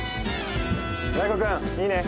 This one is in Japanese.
大吾君いいね？